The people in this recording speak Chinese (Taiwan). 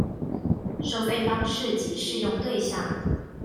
收費方式及適用對象